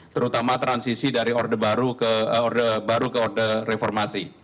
terutama transisi dari orde baru ke orde baru ke orde reformasi